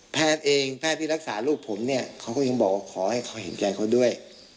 แพทย์เองแพทย์ที่รักษาลูกผมเนี่ยเขาก็ยังบอกว่าขอให้เขาเห็นใจเขาด้วย